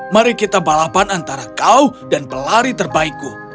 mari kita balapan antara kau dan pelari terbaikku